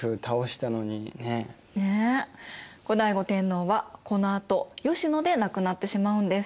後醍醐天皇はこのあと吉野で亡くなってしまうんです。